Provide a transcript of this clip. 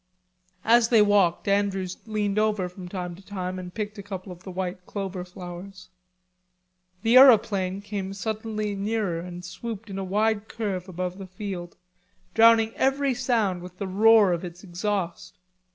As they walked Andrews leaned over from time to time and picked a couple of the white clover flowers. The aeroplane came suddenly nearer and swooped in a wide curve above the field, drowning every sound in the roar of its exhaust.